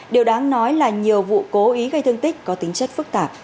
điều đáng nói là nhiều vụ cố ý gây thương tích có tính chất phức tạp